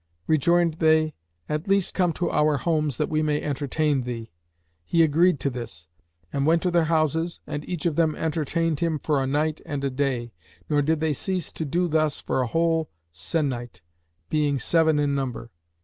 Rejoined they, at least come to our homes that we may entertain thee." He agreed to this, and went to their houses and each of them entertained him for a night and a day; nor did they cease to do thus for a whole sennight, being seven in number.